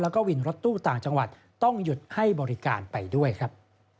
แล้วก็วินรถตู้ต่างจังหวัดต้องหยุดให้บริการไปด้วยครับ